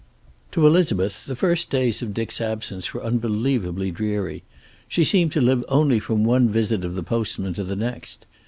XXVI To Elizabeth the first days of Dick's absence were unbelievably dreary. She seemed to live only from one visit of the postman to the next.